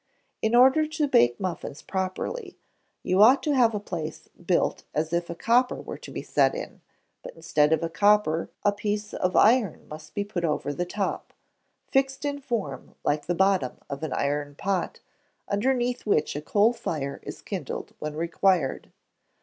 In order to bake muffins properly, you ought to have a place built as if a copper were to be set; but instead of copper a piece of iron must be put over the top, fixed in form like the bottom of an iron pot, underneath which a coal fire is kindled when required.